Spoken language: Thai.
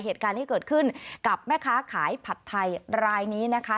เหตุการณ์ที่เกิดขึ้นกับแม่ค้าขายผัดไทยรายนี้นะคะ